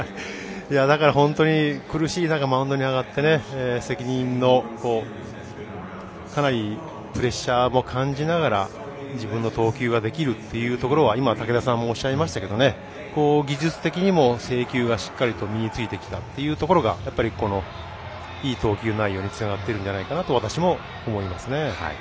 だから、本当に苦しいマウンドに上がって責任もかなりプレッシャーも感じながら自分の投球ができるっていうところは今、武田さんもおっしゃいましたけど技術的にも制球がしっかりと身についてきたというところがこのいい投球内容につながっているんじゃないかと私も思いますね。